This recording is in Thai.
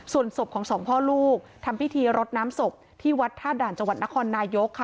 ส่วนศพของสองพ่อลูกทำพิธีรดน้ำศพที่วัดท่าด่านจังหวัดนครนายกค่ะ